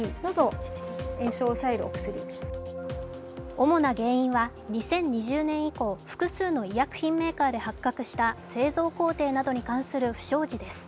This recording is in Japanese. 主な原因は２０２０年以降、複数の医薬品メーカーで発覚した製造工程などに関する不祥事です。